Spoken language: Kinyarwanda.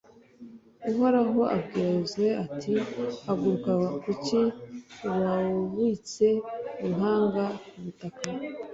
uhoraho abwira yozuwe, ati «haguruka! kuki wubitse uruhanga ku butaka?